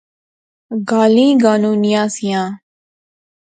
گالیں گانونیاں سیاں